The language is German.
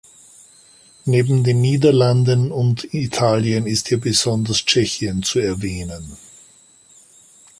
Neben den Niederlanden und Italien ist hier besonders Tschechien zu erwähnen.